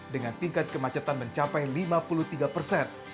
dengan tingkat kemacetan mencapai lima puluh tiga persen